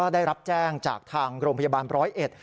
ได้รับแจ้งจากทางโรงพยาบาลร้อยเอ็ด